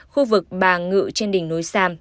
khu vực bà ngự trên đỉnh núi sam